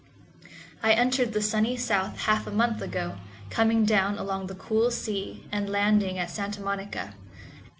I entered the sunny south half a month ago, coming down along the cool sea, and landing at Santa Monica.